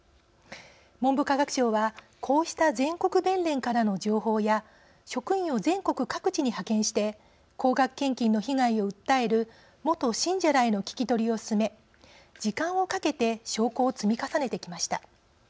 文部科学省はこうした全国弁連からの情報や職員を全国各地に派遣して高額献金の被害を訴える元信者らへの聞き取りを進め時間をかけて証拠を積み重ねてきました。